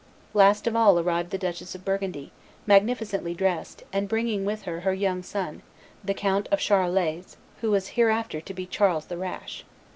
Last of all arrived the Duchess of Burgundy, magnificently dressed, and bringing with her her young son, the Count of Charolais, who was hereafter to be Charles the Rash.